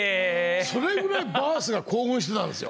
それぐらいバースが興奮してたんですよ！